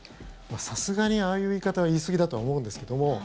さすがにああいう言い方は言いすぎだとは思うんですけども